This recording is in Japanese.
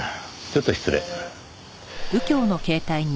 ちょっと失礼。